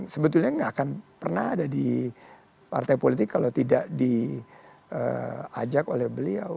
sebetulnya nggak akan pernah ada di partai politik kalau tidak diajak oleh beliau